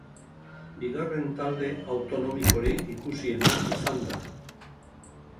Bigarren talde autonomikorik ikusiena izan da.